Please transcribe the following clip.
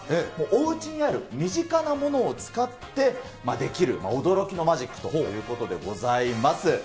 おうちにある身近なものを使ってできる、驚きのマジックということでございます。